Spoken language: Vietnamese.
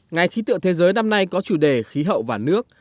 ngày khí tượng thế giới năm nay có chủ đề khí hậu và nước